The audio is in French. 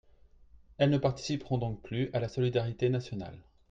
Elles ne participeront donc plus à la solidarité nationale.